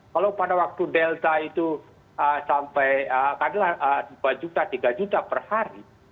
kalau pada waktu delta itu sampai dua juta tiga juta per hari